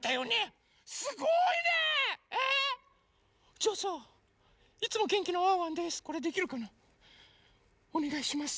じゃあさ「いつもげんきなワンワンです」